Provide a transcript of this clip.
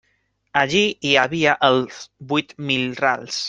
Allí hi havia els huit mil rals.